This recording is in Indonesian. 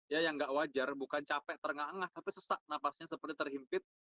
ya yang gak wajar bukan capek terengah engah tapi sesak napasnya seperti terhimpit